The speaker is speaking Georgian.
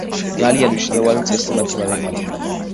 ძალიან მნიშვნელოვანი წესი მათემატიკაში.